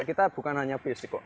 kita bukan hanya fisik kok